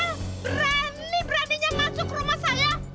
saya berani beraninya masuk rumah saya